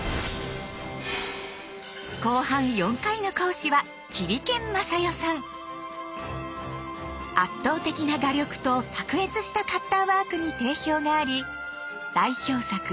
後半４回の講師は圧倒的な画力と卓越したカッターワークに定評があり代表作